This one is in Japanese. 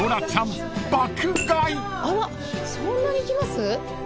あらそんなにいきます？